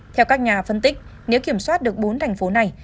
theo các nhà phân tích nếu kiểm soát được bốn thành phố này